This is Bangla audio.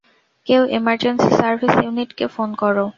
কেউ ইমার্জেন্সি সার্ভিস ইউনিটকে ফোন করো।